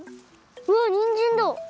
うわにんじんだ！